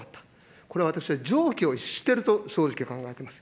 これは私、常軌を逸していると正直考えております。